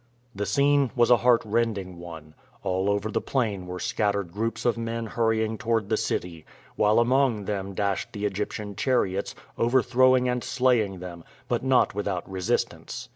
The scene was a heart rending one. All over the plain were scattered groups of men hurrying toward the city, while among them dashed the Egyptian chariots, overthrowing and slaying them; but not without resistance.